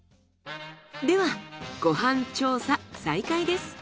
ではご飯調査再開です。